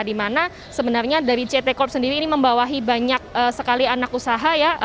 dimana sebenarnya dari ct corp sendiri ini membawahi banyak sekali anak usaha ya